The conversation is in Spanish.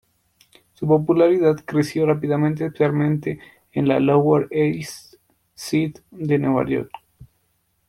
Su popularidad creció rápidamente, especialmente en la "Lower East Side" de Nueva York.